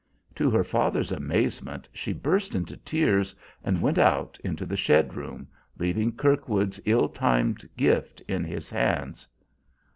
To her father's amazement, she burst into tears and went out into the shed room, leaving Kirkwood's ill timed gift in his hands.